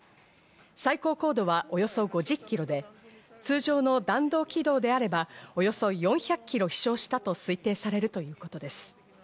最高高度はおよそ５０キロで、通常の弾道軌道であればおよそ４００キロ飛翔したと推定されるということです。